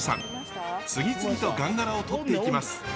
次々とガンガラをとっていきます。